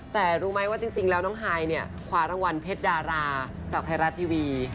แต่รู้ไหมว่าจริงแล้วน้องฮายเนี่ยคว้ารางวัลเพชรดาราจากไทยรัฐทีวี